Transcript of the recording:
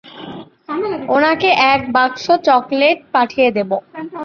উনাকে এক বাক্স চকলেট পাঠিয়ে দেব।